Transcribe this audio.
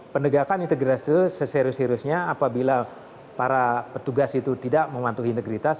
pendegakan integritas itu seserius seriusnya apabila para petugas itu tidak memantuhi integritas